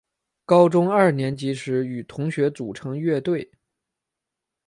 高中二年级时与同学组成乐队。